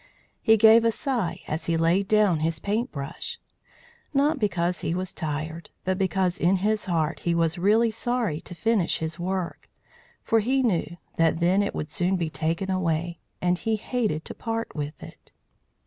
He gave a sigh as he laid down his paintbrush; not because he was tired, but because in his heart he was really sorry to finish his work, for he knew that then it would soon be taken away, and he hated to part with it.